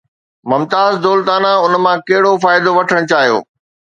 ممتاز دولتانه ان مان ڪهڙو فائدو وٺڻ چاهيو؟